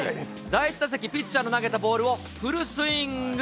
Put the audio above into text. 第１打席、ピッチャーの投げたボールをフルスイング。